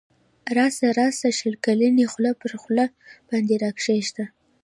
راسه راسه شل کلنی خوله پر خوله باندی را کښېږده